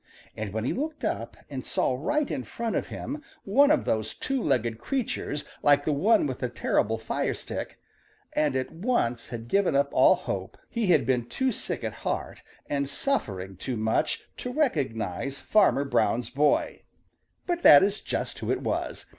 And when he looked up and saw right in front of him one of those two legged creatures like the one with the terrible fire stick, and at once had given up all hope, he had been too sick at heart and suffering too much to recognize Farmer Brown's boy. But that is just who it was.